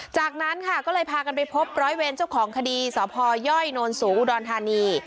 จากนั้นค่ะก็เลยพากันไปพบร้อยเวรเจ้าของคดีสพย่อยโนนสูงอุดรธานี